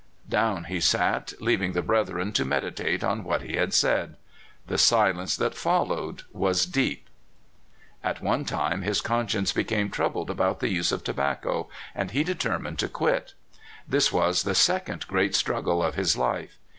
" Down he sat, leaving the brethren to meditate on what he had said. The silence that followed was deep. At one time his conscience became troubled about the use of tobacco, and he determined to quit. This was the second great struggle of his life.